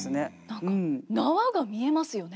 何か縄が見えますよね。